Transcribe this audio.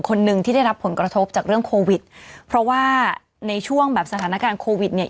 คนหนึ่งที่ได้รับผลกระทบจากเรื่องโควิดเพราะว่าในช่วงแบบสถานการณ์โควิดเนี่ย